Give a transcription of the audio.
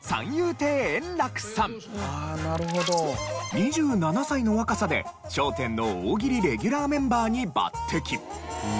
２７歳の若さで『笑点』の大喜利レギュラーメンバーに抜擢。